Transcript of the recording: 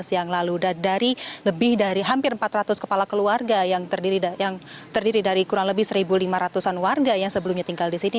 yang lalu dari lebih dari hampir empat ratus kepala keluarga yang terdiri dari kurang lebih satu lima ratus an warga yang sebelumnya tinggal di sini